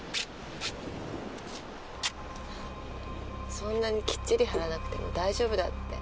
そんなにキッチリ貼らなくても大丈夫だって。